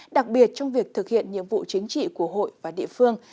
đặc biệt trong việc thực hiện nhiệm vụ chính trị của hội và địa phương